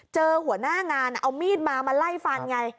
เจอหัวหน้างานเอามีดมามาไล่ฟันไง